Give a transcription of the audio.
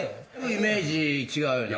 イメージ違うよな。